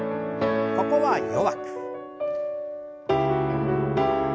ここは弱く。